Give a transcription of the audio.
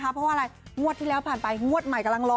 เพราะว่าอะไรงวดที่แล้วผ่านไปงวดใหม่กำลังรอ